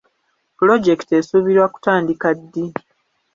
Pulojekiti esuubirwa kutandika ddi?